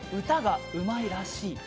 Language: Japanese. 歌がうまいらしい。